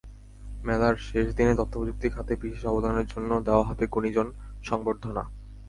মেলার শেষ দিনে তথ্যপ্রযুক্তি খাতে বিশেষ অবদানের জন্য দেওয়া হবে গুণীজন সংবর্ধনা।